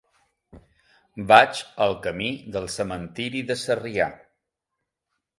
Vaig al camí del Cementiri de Sarrià.